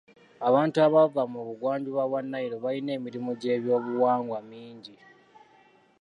Abantu abava mu buggwanjuba bwa Nile balina emirimu gy'ebyobuwangwa mingi.